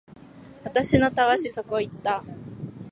私のたわしそこ行った